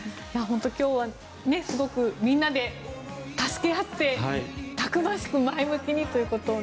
本当に今日はすごくみんなで助け合ってたくましく前向きにということを